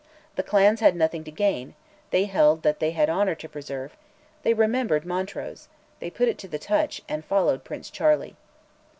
The clans had nothing to gain; they held that they had honour to preserve; they remembered Montrose; they put it to the touch, and followed Prince Charlie.